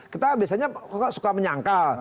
kita biasanya suka menyangkal